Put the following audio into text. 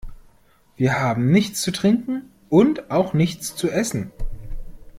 Wir haben nichts zu trinken und auch nichts zu essen.